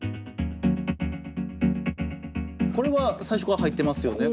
これは最初から入ってますよね？